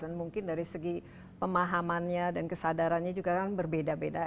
dan mungkin dari segi pemahamannya dan kesadarannya juga kan berbeda beda